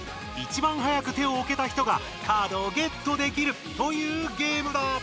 いちばん早く手をおけた人がカードをゲットできるというゲームだ。